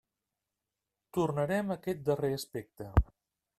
Tornarem a aquest darrer aspecte.